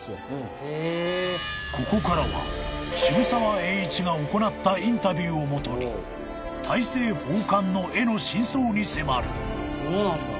［ここからは渋沢栄一が行ったインタビューをもとに大政奉還の絵の真相に迫る］